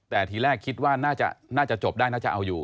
แต่ทีแรกคิดว่าน่าจะจบได้น่าจะเอาอยู่